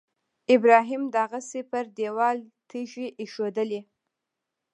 ابراهیم دغسې پر دېوال تیږې ایښودلې.